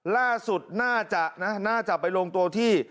ล่าสุดน่าจะนะน่าจะไปลงตัวที่